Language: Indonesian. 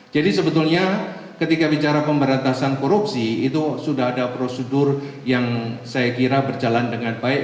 sebetulnya ketika bicara pemberantasan korupsi itu sudah ada prosedur yang saya kira berjalan dengan baik